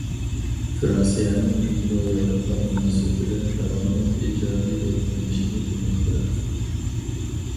فىرانسىيەنىڭ جۇڭگو ياۋروپا مۇناسىۋىتىدە داۋاملىق ئىجابىي رول ئوينىشىنى ئۈمىد قىلىمەن.